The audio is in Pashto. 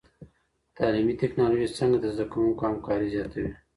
تعلیمي ټکنالوژي څنګه د زده کوونکو همکاري زیاتوي؟